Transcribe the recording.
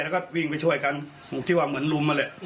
แล้วก็วิ่งไปช่วยกันที่ว่าเหมือนลุมนั่นแหละ